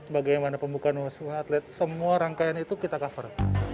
bagaimana pembukaan rumah sakit semua rangkaian itu kita cover